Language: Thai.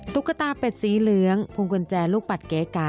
ตุ๊กตาเป็ดสีเหลืองพุงกุญแจลูกปัดเก๋กะ